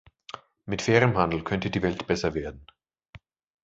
Mit fairem Handel könnte die Welt besser werden.